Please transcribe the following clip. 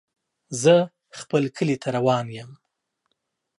زه خپل کلي ته روان يم.